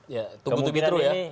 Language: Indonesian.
ya tugu tugi terus ya